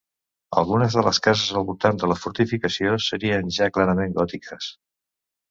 Algunes de les cases al voltant de la fortificació serien ja clarament gòtiques.